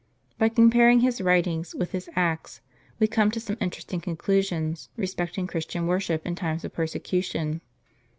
By comparing his writings with his Acts,t we come to some interesting conclusions respecting Christian worship in times of persecution.